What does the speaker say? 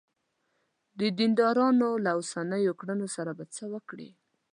د دیندارانو له اوسنیو کړنو سره به څه وکړې.